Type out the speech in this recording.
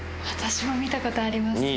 私も見たことあります。